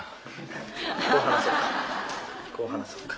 こう話そっか。